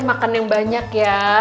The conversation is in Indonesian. makan yang banyak ya